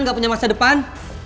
gak punya masa depan